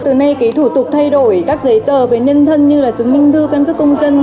từ nay cái thủ tục thay đổi các giấy tờ về nhân thân như là chứng minh thư căn cước công dân